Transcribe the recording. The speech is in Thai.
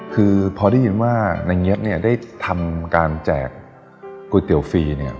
คือพอได้ยินว่านางเงี๊ยดเนี่ยได้ทำการแจกก๋วยเตี๋ยวฟรีเนี่ย